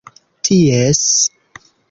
ties